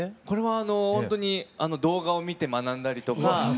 これはほんとに動画を見て学んだりとか。